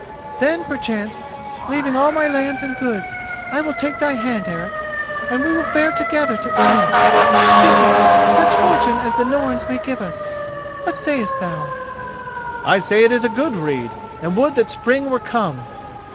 Then, perchance, leaving all my lands and goods, I will take thy hand, Eric, and we will fare together to England, seeking such fortune as the Norns may give us. What sayest thou?" "I say it is a good rede, and would that the spring were come."